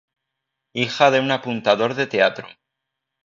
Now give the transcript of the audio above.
Hija de un apuntador de teatro.